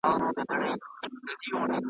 خوځېدلی به توپان وي .